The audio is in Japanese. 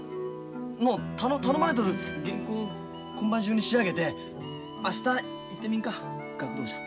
頼まれとる原稿今晩中に仕上げて明日行ってみんか学童社。